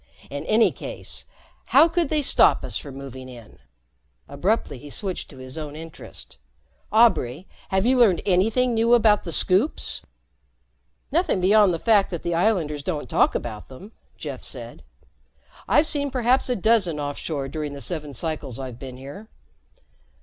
In any case, how could they stop us from moving in?" Abruptly he switched to his own interest. "Aubray, have you learned anything new about the Scoops?" "Nothing beyond the fact that the islanders don't talk about them," Jeff said. "I've seen perhaps a dozen offshore during the seven cycles I've been here.